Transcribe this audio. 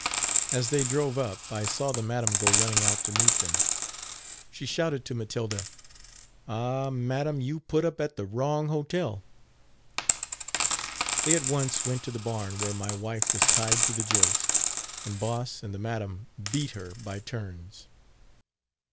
" As they drove up I saw the madam go running out to meet them. She shouted to Matilda: "Ah! madam, you put up at the wrong hotel." They at once went to the barn where my wife was tied to the joist, and Boss and the madam beat her by turns.